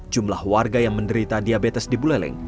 jumlah warga yang menderita diabetes di buleleng